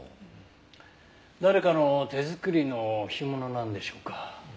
誰かの手作りの干物なんでしょうか？